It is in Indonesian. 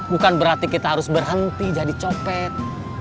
bukan berarti kita harus berhenti jadi copet